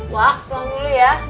wah pulang dulu ya